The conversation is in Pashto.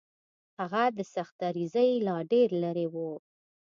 هغه د سختدریځۍ لا ډېر لرې و.